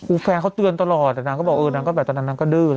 อู๋แฟนเขาเตือนตลอดแต่นางก็บอกตอนนั้นนางก็ดื้อ